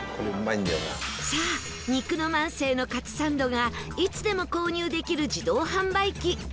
さあ肉の万世のかつサンドがいつでも購入できる自動販売機